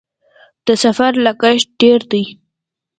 د سفر لګښت ډیر دی؟